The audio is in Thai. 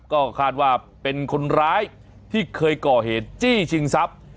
ก็คาดว่าเป็นคนร้ายที่เคยก่อเหตุจี้ชิงทรัพย์